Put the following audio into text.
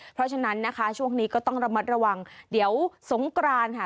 เพราะฉะนั้นนะคะช่วงนี้ก็ต้องระมัดระวังเดี๋ยวสงกรานค่ะ